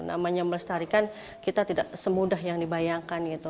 namanya melestarikan kita tidak semudah yang dibayangkan gitu